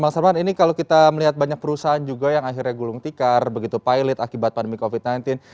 bang sarman ini kalau kita melihat banyak perusahaan juga yang akhirnya gulung tikar begitu pilot akibat pandemi covid sembilan belas